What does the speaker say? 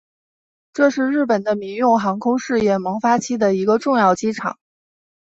这是日本的民用航空事业萌芽期的一个重要机场。